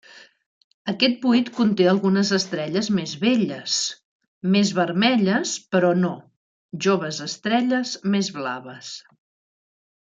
Aquest buit conté algunes estrelles més velles, més vermelles però no, joves estrelles més blaves.